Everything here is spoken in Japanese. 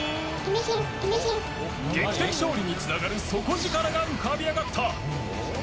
劇的勝利につながる底力が浮かび上がった。